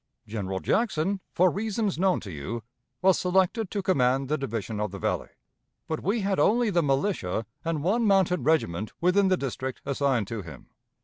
General Jackson, for reasons known to you, was selected to command the division of the Valley, but we had only the militia and one mounted regiment within the district assigned to him.